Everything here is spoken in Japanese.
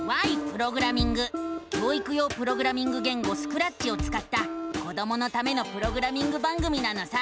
教育用プログラミング言語「スクラッチ」をつかった子どものためのプログラミング番組なのさ！